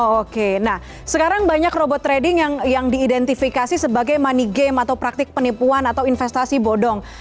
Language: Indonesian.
oke nah sekarang banyak robot trading yang diidentifikasi sebagai money game atau praktik penipuan atau investasi bodong